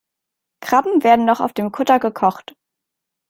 Krabben werden noch auf dem Kutter gekocht.